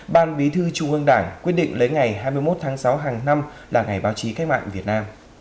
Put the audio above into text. ban bí thư trung ương đảng quyết định lấy ngày hai mươi một tháng sáu hàng năm là ngày báo chí cách mạng việt nam